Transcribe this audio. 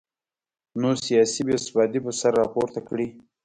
نو سیاسي بې ثباتي به سر راپورته کړي